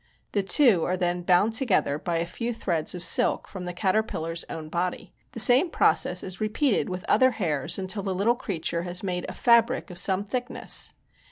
The two are then bound together by a few threads of silk from the caterpillar's own body. The same process is repeated with other hairs until the little creature has made a fabric of some thickness.